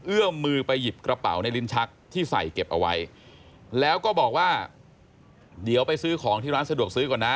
เอื้อมมือไปหยิบกระเป๋าในลิ้นชักที่ใส่เก็บเอาไว้แล้วก็บอกว่าเดี๋ยวไปซื้อของที่ร้านสะดวกซื้อก่อนนะ